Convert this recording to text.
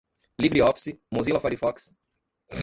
libreoffice, mozilla firefox